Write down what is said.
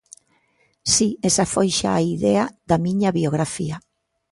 Si, esa foi xa a idea da miña biografía.